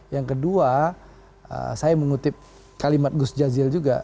yang kedua saya mengutip kalimat gus jazil juga